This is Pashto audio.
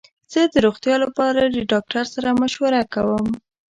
زه د روغتیا لپاره ډاکټر سره مشوره کوم.